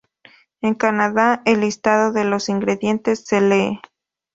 En Canadá, el listado de los ingredientes se lee:".